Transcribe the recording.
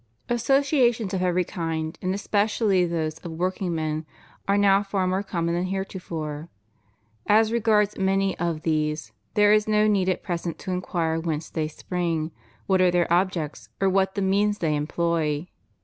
Associations of every kind, and especially those of workingmen, are now far more common than heretofore. As regards many of these there is no need at present to inquire whence they spring, what are their objects, or what the means they employ.